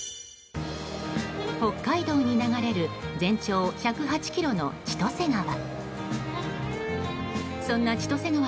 北海道に流れる全長１０８ｋｍの千歳川。